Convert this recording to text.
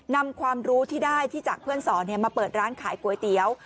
นำความรู้ที่ได้ที่จากเพื่อนสอนมาเปิดร้านขายก๋วยเตี๋ยว